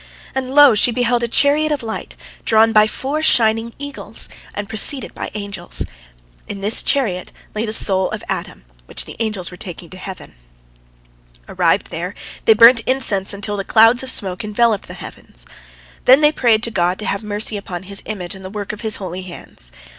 And, lo, she beheld a chariot of light, drawn by four shining eagles, and preceded by angels. In this chariot lay the soul of Adam, which the angels were taking to heaven. Arrived there, they burnt incense until the clouds of smoke enveloped the heavens. Then they prayed to God to have mercy upon His image and the work of His holy hands.